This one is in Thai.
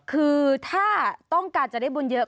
คือถ้าต้องการจะได้บุญเยอะ